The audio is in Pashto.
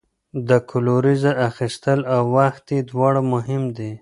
د کلوریز اخیستل او وخت یې دواړه مهم دي.